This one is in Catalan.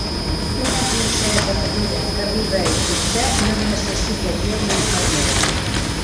Una princesa madura que arriba a Egipte no necessitaria una infermera.